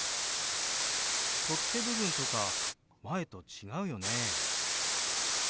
取っ手部分とか前と違うよね？